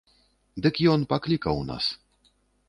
Дык ён паклікаў нас.